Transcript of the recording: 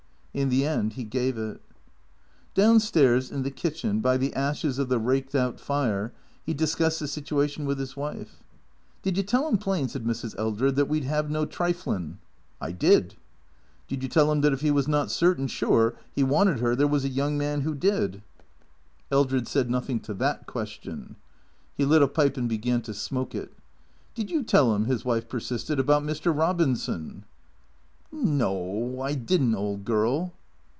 In the end he gave it. Down stairs, in the kitchen, by the ashes of the raked out fire, he discussed the situation with his wife. "Did you tell him plain," said Mrs. Eldred, "that we'd 'ave no triflin'? " "I did." " Did you tell 'im that if 'c was not certain sure 'e wanted 'er, there was a young man who did ?" 46 THECEEATOES Eldred said nothing to that question. He lit a pipe and began to smoke it. " Did you tell 'im," his wife persisted, " about Mr. Eobinson ?"" No, I did n't, old girl."